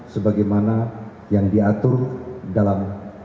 sebagaimana yang diatur dalam